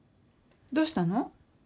どうしたの？